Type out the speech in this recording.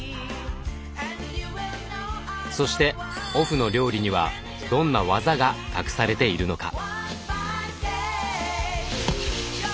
そしてオフの料理にはどんな技が隠されているのか？